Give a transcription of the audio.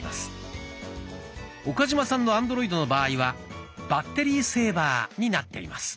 岡嶋さんのアンドロイドの場合は「バッテリーセーバー」になっています。